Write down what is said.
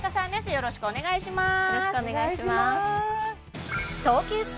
よろしくお願いします